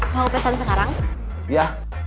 mau pesan sekarang ya